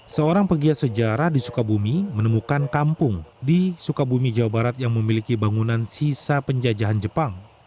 seorang pegiat sejarah di sukabumi menemukan kampung di sukabumi jawa barat yang memiliki bangunan sisa penjajahan jepang